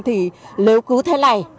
thì nếu cứ thế này